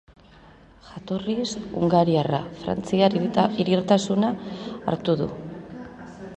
Jatorriz hungariarra, frantziar hiritartasuna hartu du.